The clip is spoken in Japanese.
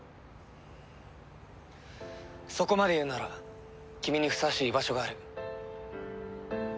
そこまで言うなら君にふさわしい居場所がある。